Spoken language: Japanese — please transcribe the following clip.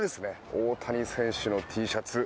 大谷選手のＴシャツ